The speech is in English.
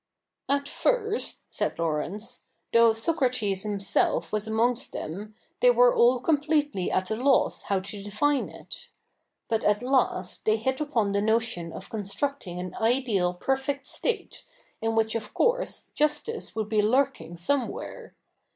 ' At first,' said Laurence, ' though Socrates himself was amongst them, they were all completely at a loss how to define it. But at last they hit upon the notion of constructing an ideal perfect state, in which of course justice would be lurking somewhere.